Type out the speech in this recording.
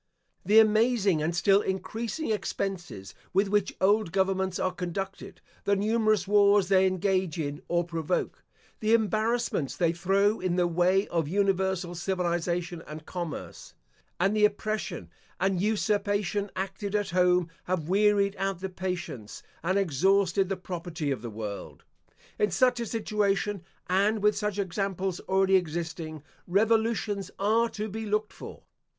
The amazing and still increasing expenses with which old governments are conducted, the numerous wars they engage in or provoke, the embarrassments they throw in the way of universal civilisation and commerce, and the oppression and usurpation acted at home, have wearied out the patience, and exhausted the property of the world. In such a situation, and with such examples already existing, revolutions are to be looked for.